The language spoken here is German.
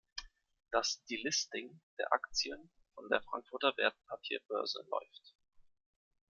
Das Delisting der Aktien von der Frankfurter Wertpapierbörse läuft.